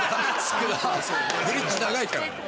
ブリッジ長いから。